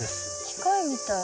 機械みたい。